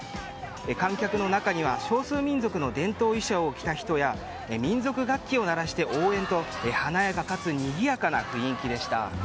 観客の中には少数民族の伝統衣装を着た人や民族楽器を鳴らして応援と華やかかつにぎやかな雰囲気でした。